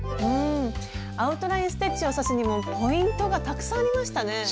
うんアウトライン・ステッチを刺すにもポイントがたくさんありましたね。